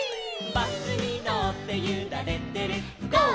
「バスにのってゆられてるゴー！